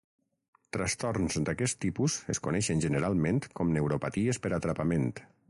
Trastorns d'aquest tipus es coneixen generalment com neuropaties per atrapament.